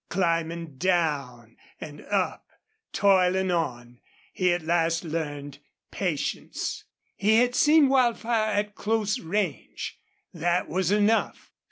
Climbing down and up, toiling on, he at last learned patience. He had seen Wildfire at close range. That was enough.